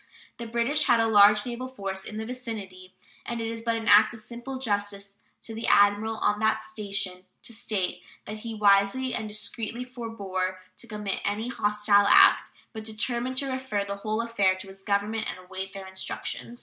The British had a large naval force in the vicinity, and it is but an act of simple justice to the admiral on that station to state that he wisely and discreetly forbore to commit any hostile act, but determined to refer the whole affair to his Government and await their instructions.